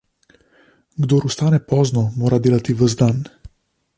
Kdor vstane pozno, mora delati ves dan.